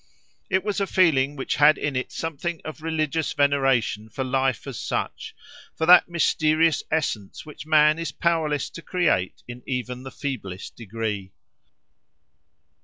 It was a feeling which had in it something of religious veneration for life as such—for that mysterious essence which man is powerless to create in even the feeblest degree.